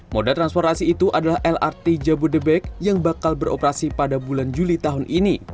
moda transportasi itu adalah lrt jabodebek yang bakal beroperasi pada bulan juli tahun ini